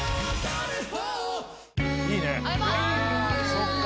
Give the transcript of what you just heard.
「そっか。